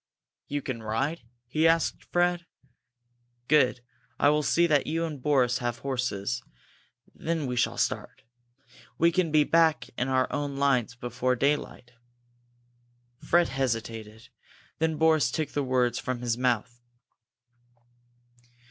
"You can ride?" he asked Fred. "Good! I will see that you and Boris have horses. Then we shall start. We can be back in our own lines before daylight." Fred hesitated. Then Boris took the words from his mouth.